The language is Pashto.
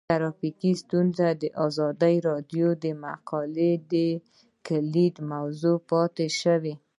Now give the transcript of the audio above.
ټرافیکي ستونزې د ازادي راډیو د مقالو کلیدي موضوع پاتې شوی.